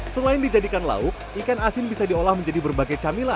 selain dijadikan lauk ikan asin bisa diolah menjadi berbagai camilan